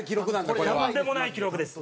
とんでもない記録です。